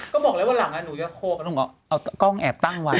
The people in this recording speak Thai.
ก็บอกแล้ววันหลังหนูจะโคลแล้วหนูก็เอากล้องแอบตั้งไว้